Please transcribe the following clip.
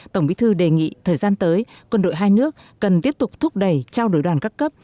tổng bí thư đề nghị thời gian tới quân đội hai nước cần tiếp tục thúc đẩy trao đổi đoàn các cấp